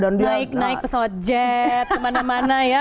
naik naik pesawat jet kemana mana ya